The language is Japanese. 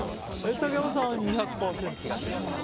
竹山さんは２００％の部屋もある？